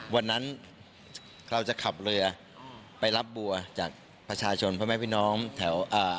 วันนั้นเราจะขับเรือไปรับบัวจากประชาชนพ่อแม่พี่น้องแถวอ่า